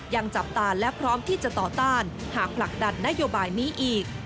ยังจับตาและพร้อมที่จะต่อต้านหากผลักดันนโยบายนี้อีก